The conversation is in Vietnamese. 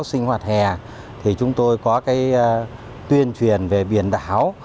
chúng tôi sinh hoạt hè thì chúng tôi có cái tuyên truyền về biển đảo